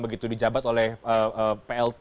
begitu dijabat oleh plt